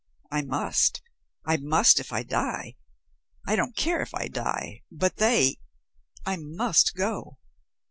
"I must. I must if I die. I don't care if I die but they I must go."